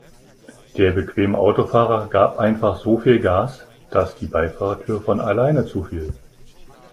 Der bequeme Autofahrer gab einfach so viel Gas, dass die Beifahrertür von alleine zufiel.